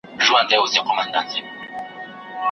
اوس له تسپو او استغفاره سره نه جوړیږي